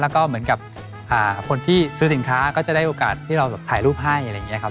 แล้วก็เหมือนกับคนที่ซื้อสินค้าก็จะได้โอกาสที่เราถ่ายรูปให้อะไรอย่างนี้ครับ